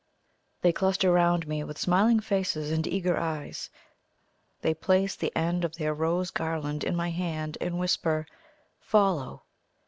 They cluster round me with smiling faces and eager eyes; they place the end of their rose garland in my hand, and whisper, "FOLLOW!"